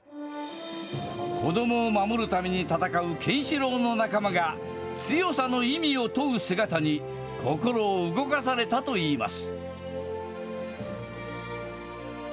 子どもを守るために闘うケンシロウの仲間が、強さの意味を問う姿に、心を動かされたといいます。